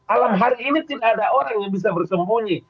alam hari ini tidak ada orang yang bisa bersembunyi